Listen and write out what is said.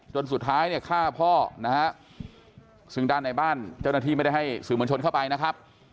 สุดท้ายเนี่ยฆ่าพ่อนะฮะซึ่งด้านในบ้านเจ้าหน้าที่ไม่ได้ให้สื่อมวลชนเข้าไปนะครับ